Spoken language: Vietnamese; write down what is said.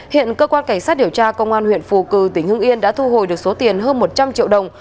hiện cơ quan cảnh sát điều tra công an huyện phù cử tỉnh hưng yên đã thu hồi được số tiền hơn một trăm linh triệu đồng